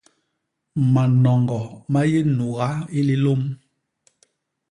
Manoñgo ma yé nuga i lilôm.